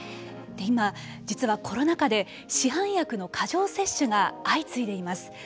今、実はコロナ禍で市販薬の過剰摂取が相次いでいます。